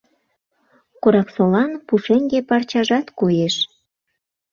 Кораксолан пушеҥге парчажат коеш.